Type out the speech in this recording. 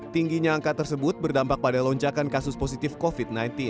tingginya angka tersebut berdampak pada lonjakan kasus positif covid sembilan belas